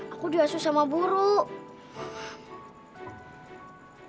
aku di asuh sama buruk